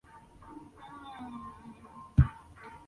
伯牛与冉雍同宗。